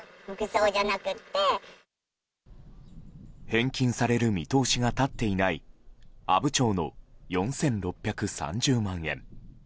返金される見通しが立っていない阿武町の４６３０万円。